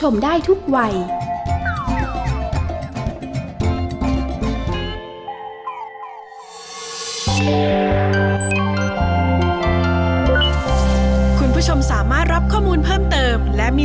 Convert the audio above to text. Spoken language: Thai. เมื่อกี้ก็โหลดแล้วค่ะ